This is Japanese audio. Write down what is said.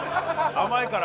甘いから。